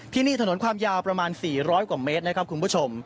ที่นี่ถนนความยาวประมาณ๔๐๐กว่าเมตรนะครับคุณผู้ชม